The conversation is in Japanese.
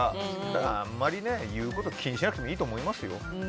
だからあんまりね、言うことを気にしなくてもいいと思いますよ。